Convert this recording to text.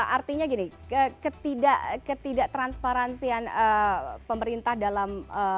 artinya gini ketidaktransparansian pemerintah dalam